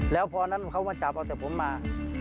แล้วพอนั้นเขามาจับเอาแต่ผมมา